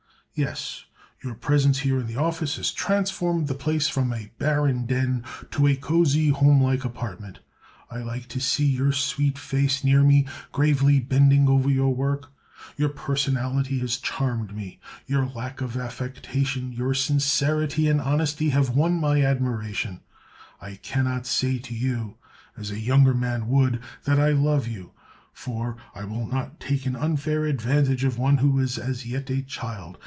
"Yes. Your presence here in the office has transformed the place from a barren den to a cozy, homelike apartment. I like to see your sweet face near me, gravely bending over your work. Your personality has charmed me; your lack of affectation, your sincerity and honesty, have won my admiration. I cannot say to you, as a younger man would, that I love you, for I will not take an unfair advantage of one who is as yet a child.